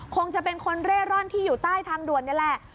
คงจะเป็นคนเร่ร่อนที่อยู่ใต้ทางด่วนนี่แหละ